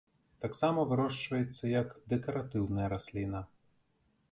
Таксама вырошчваецца як дэкаратыўная расліна.